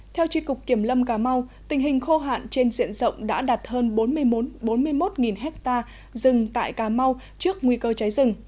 theo tri cục kiểm lâm cà mau tình hình khô hạn trên diện rộng đã đạt hơn bốn mươi một ha rừng tại cà mau trước nguy cơ cháy rừng